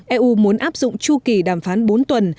eu muốn áp dụng chu kỳ đàm phán bốn tuần